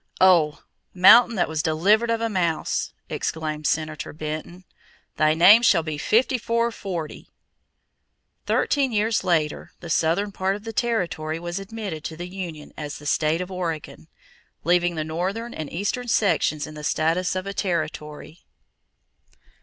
"Oh! mountain that was delivered of a mouse," exclaimed Senator Benton, "thy name shall be fifty four forty!" Thirteen years later, the southern part of the territory was admitted to the union as the state of Oregon, leaving the northern and eastern sections in the status of a territory.